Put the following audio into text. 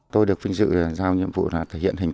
tôi được vinh dự là giao nhiệm vụ là thể hiện hình báo